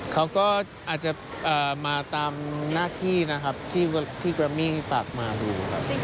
เขาก็อาจจะมาตามหน้าที่นะครับที่แกรมมี่ฝากมาดูครับ